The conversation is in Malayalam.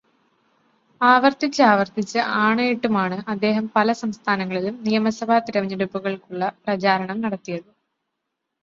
ആവര്ത്തിച്ച് ആവര്ത്തിച്ച് ആണയിട്ടുമാണ് അദ്ദേഹം പല സംസ്ഥാനങ്ങളിലും നിയമസഭാ തെരഞ്ഞെടുപ്പുകള്ക്കുള്ള പ്രചാരണം നടത്തിയത്.